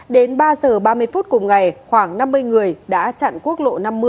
đến ba giờ ba mươi phút cùng ngày khoảng năm mươi người đã chặn quốc lộ năm mươi